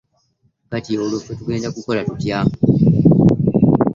Kati olwo ffe tugenda kukola tutya?